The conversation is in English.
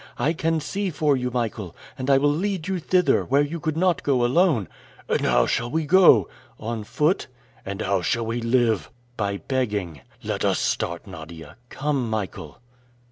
I can see for you, Michael; and I will lead you thither, where you could not go alone!" "And how shall we go?" "On foot." "And how shall we live?" "By begging." "Let us start, Nadia." "Come, Michael."